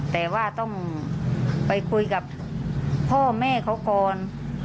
แต่ว่าต้องไปคุยกับพ่อแม่เขาก่อน